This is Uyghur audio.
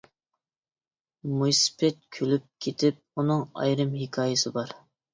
مويسىپىت كۈلۈپ كېتىپ:-ئۇنىڭ ئايرىم ھېكايىسى بار.